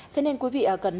thế nên quý vị cần nhớ